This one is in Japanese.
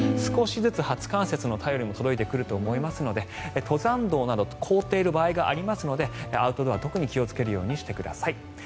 少しずつ初冠雪の便りも届いてくると思いますので登山道など凍っている場合がありますのでアウトドアは特に気をつけるようにしてください。